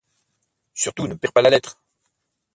Surtout ne perds pas la lettre!